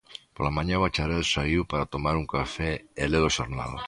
Pola mañá, o bacharel saíu para tomar un café e le-lo xornal.